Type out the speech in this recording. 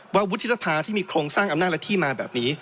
วุฒิสภาที่มีโครงสร้างอำนาจและที่มาแบบนี้